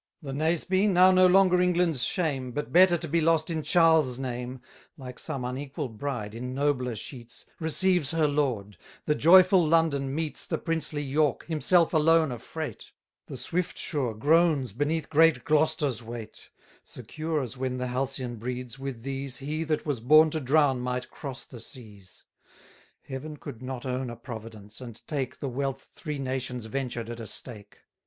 The Naseby, now no longer England's shame, 230 But better to be lost in Charles' name, (Like some unequal bride in nobler sheets) Receives her lord: the joyful London meets The princely York, himself alone a freight; The Swiftsure groans beneath great Gloster's weight: Secure as when the halcyon breeds, with these, He that was born to drown might cross the seas. Heaven could not own a Providence, and take The wealth three nations ventured at a stake.